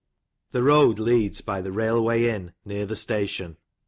The road leads by the " Railway Inn," near the station.